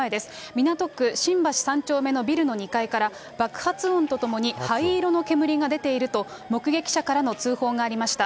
港区新橋３丁目のビルの２階から、爆発音とともに灰色の煙が出ていると、目撃者からの通報がありました。